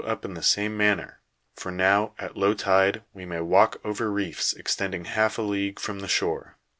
143 up in the same manner, for now, at low tide, we may walk over reefs extending half a league from the shore.